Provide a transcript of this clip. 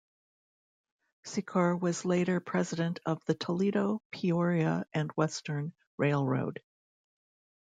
Secor was later president of the Toledo Peoria and Western Railroad.